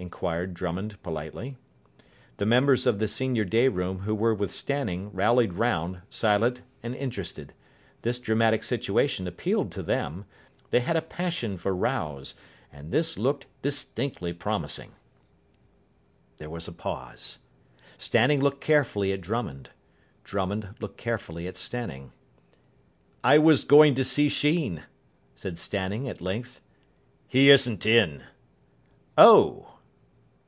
inquired Drummond politely. The members of the senior day room who were with Stanning rallied round, silent and interested. This dramatic situation appealed to them. They had a passion for rows, and this looked distinctly promising. There was a pause. Stanning looked carefully at Drummond. Drummond looked carefully at Stanning. "I was going to see Sheen," said Stanning at length. "He isn't in." "Oh!"